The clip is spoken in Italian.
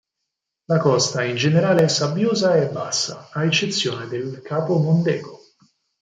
La costa è in generale sabbiosa e bassa, a eccezione del capo Mondego.